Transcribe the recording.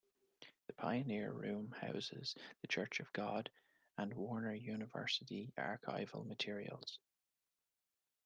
The Pioneer Room houses the Church of God and Warner University archival materials.